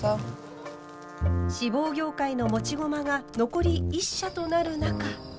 志望業界の持ち駒が残り１社となる中。